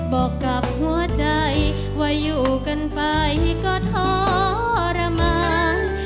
บอกกับหัวใจว่าอยู่กันไปก็ทรมาน